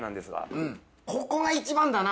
ここが一番だな